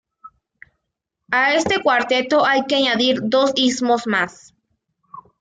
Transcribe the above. A este cuarteto hay que añadir dos ismos más.